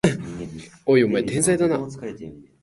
おい、お前天才だな！